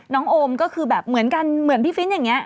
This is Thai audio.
โอมก็คือแบบเหมือนกันเหมือนพี่ฟิ้นอย่างนี้